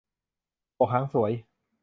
โบกหางสวย